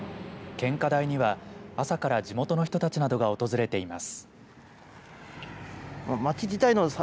献花台には朝から地元の人たちなどが訪れています。